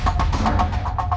yang kelima lagi buka